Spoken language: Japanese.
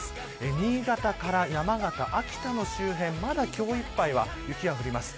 新潟から山形、秋田の周辺まだ今日いっぱいは雪が降ります。